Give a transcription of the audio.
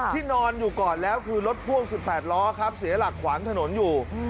ที่นอนอยู่ก่อนแล้วคือรถพ่วง๑๘ล้อครับเสียหลักขวางถนนอยู่